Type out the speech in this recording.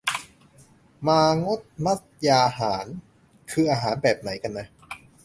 มางษมัศยาหาร คืออาหารแบบไหนกันนะ